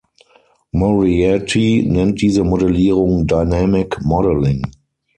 Moriarty nennt diese Modellierung "dynamic modelling".